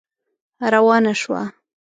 روانه شوه.